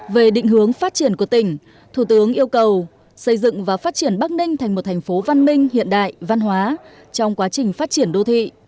về định hướng phát triển của tỉnh thủ tướng yêu cầu xây dựng và phát triển bắc ninh thành một thành phố văn minh hiện đại văn hóa trong quá trình phát triển đô thị